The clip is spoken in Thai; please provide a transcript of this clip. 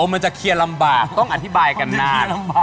มันจะเคลียร์ลำบากต้องอธิบายกันนาน